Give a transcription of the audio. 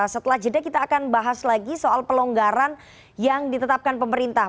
setelah jeda kita akan bahas lagi soal pelonggaran yang ditetapkan pemerintah